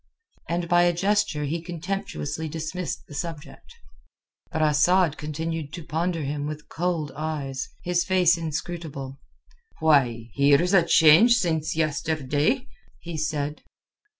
and by a gesture he contemptuously dismissed the subject. But Asad continued to ponder him with cold eyes, his face inscrutable. "Why, here's a change since yesterday!" he said.